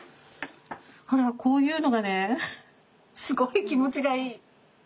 ほらこういうのがねすごい気持ちがいい。